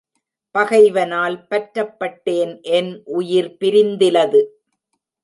பகைவனால் பற்றப்பட்டேன் என் உயிர் பிரிந்திலது.